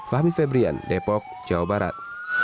fahmi febrian depok jawa barat